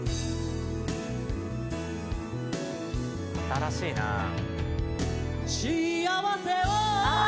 新しいなあ。